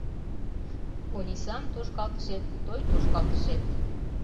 Онисан тошкалтышет — той тошкалтышет